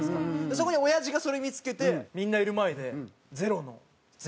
そこにおやじがそれ見付けてみんないる前で『ＺＥＲＯ』の前奏。